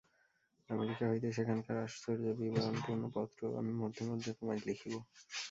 America হইতে সেখানকার আশ্চর্যবিবরণপূর্ণ পত্র আমি মধ্যে মধ্যে তোমায় লিখিব।